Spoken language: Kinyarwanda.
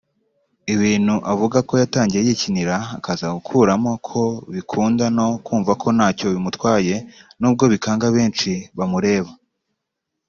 Ibintu avuga ko yatangiye yikinira akaza gukuramo ku bikunda no kumva ko ntacyo bimutwaye nubwo bikanga benshi bamureba